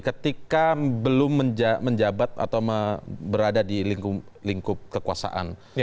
ketika belum menjabat atau berada di lingkup kekuasaan